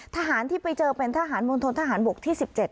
ทหารที่ไปเจอเป็นทหารมณฑนทหารบกที่๑๗